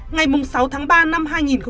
ngày sáu tháng ba năm hai nghìn hai mươi